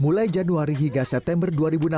mulai januari hingga september dua ribu enam belas